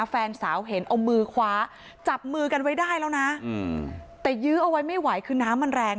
แฟนสาวเห็นเอามือคว้าจับมือกันไว้ได้แล้วนะแต่ยื้อเอาไว้ไม่ไหวคือน้ำมันแรง